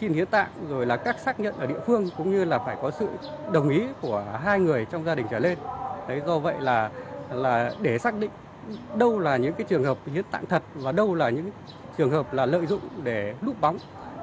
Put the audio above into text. chính việc này cũng sẽ gây ra các bệnh viện